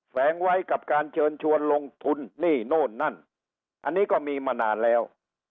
แฝงไว้กับการเชิญชวนลงทุนนี่โน่นนั่นอันนี้ก็มีมานานแล้ว